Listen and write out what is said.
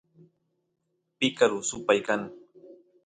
picaru supay kan